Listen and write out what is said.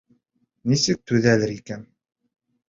Нисек түҙәләр икән?